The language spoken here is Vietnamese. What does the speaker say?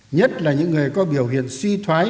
nhất là những người có biểu hiện suy thoái